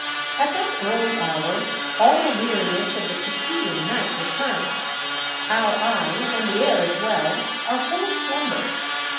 At that early hour all the weariness of the preceding night returns. Our eyes, and the air as well, are full of slumber.